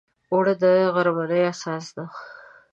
اوړه د غرمنۍ اساس دی